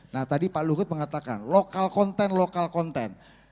nah tadi pak luhut mengatakan lokal konten lokal konten